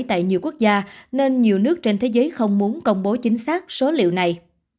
tại nhiều quốc gia nên nhiều nước trên thế giới không muốn công bố chính xác số liệu này